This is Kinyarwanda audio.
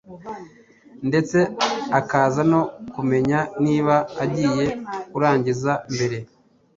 ndetse akaza no kumenya niba agiye kurangiza mbere